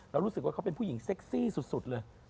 รู้สึกว่าเขาเป็นผู้หญิงเซ็กซี่สุดเลย